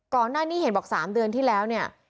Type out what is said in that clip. ก่อนหน้านี้เห็นบอก๓เดือนที่แล้วเนี่ย